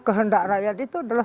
kehendak rakyat itu adalah